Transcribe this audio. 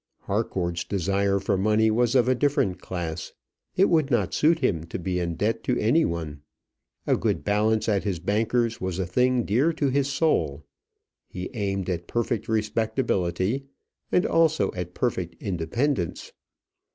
Harcourt's desire for money was of a different class. It would not suit him to be in debt to any one. A good balance at his banker's was a thing dear to his soul. He aimed at perfect respectability, and also at perfect independence.